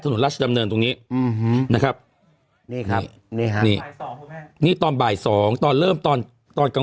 ถนนราชดำเนินตรงนี้นะครับนี่ครับนี่ฮะนี่นี่ตอนบ่าย๒ตอนเริ่มตอนตอนกลาง